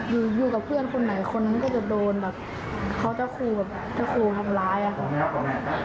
อยู่กับเพื่อนคนไหนคนนั้นก็จะโดนแบบเขาจะขู่แบบจะขู่ทำร้ายอะค่ะ